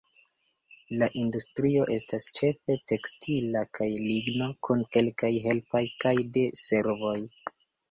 La industrio estas ĉefe tekstila kaj ligno, kun kelkaj helpaj kaj de servoj.